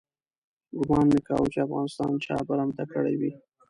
ګومان مې کاوه چې افغانستان چا برمته کړی وي.